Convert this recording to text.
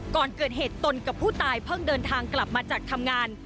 ก่อนเกิดเหตุตนกับผู้ตายเพิ่งเดินทางกลับมาจากทำงาน